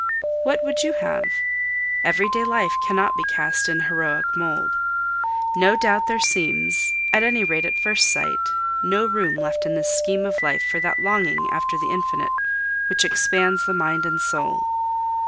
What would you have? Everyday life cannot be cast in heroic mould. No doubt there seems, at any rate at first sight, no room left in this scheme of life for that longing after the infinite which expands the mind and soul.